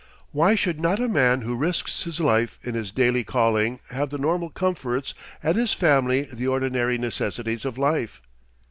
Why should not a man who risks his life in his daily calling have the normal comforts and his family the ordinary necessities of life?